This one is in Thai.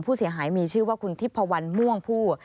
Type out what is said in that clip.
ผู้เสียหายมีชื่อว่าคุณทิพพวันม่วงผู้